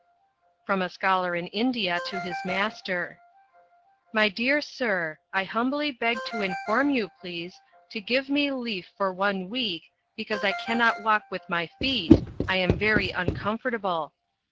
From a scholar in India to his master: "My dear Sir: I humbly beg to inform you pleas to give me leaf for one week because I cannot walk with my feet, I am very uncomfortable.